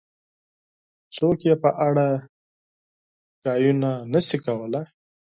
څوک یې په اړه خبرې نه شي کولای.